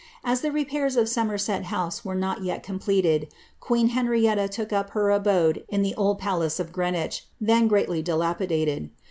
As the repairs of Somerset House were not yet completed^ queen Henrietta took up her abode in the old palace of Greenwich,' then greatly dilapidated.